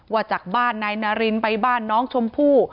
จากบ้านนายนารินไปบ้านน้องชมพู่